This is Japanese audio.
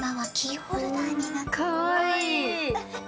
かわいい！